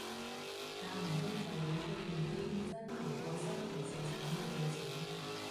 間唔中就會出現啲新奇過新奇士橙嘅句子